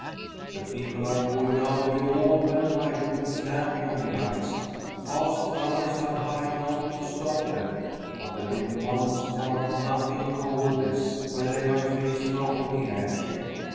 The people are calling out with all their might and stamping on the ice. Fast runners are hurrying on to stop them; but the little ones mark nothing of all this, where they are chasing after the airship.